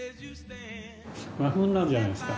和風になるじゃないですか。